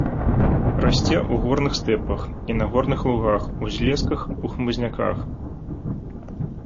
Расце ў горных стэпах і на горных лугах, узлесках, у хмызняках.